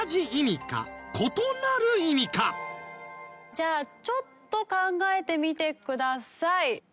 じゃあちょっと考えてみてください。